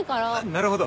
なるほど。